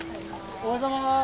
おはようございます！